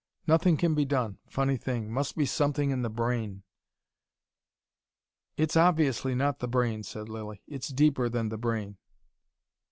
Nothing can be done funny thing Must be something in the brain " "It's obviously not the brain," said Lilly. "It's deeper than the brain."